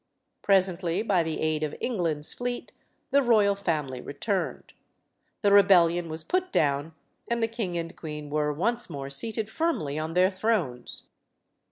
Presently, by the aid of England's fleet, the royal family returned. The rebellion was put down, and the king and queen were once more seated firmly on their thrones.